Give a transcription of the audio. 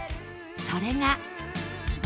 それが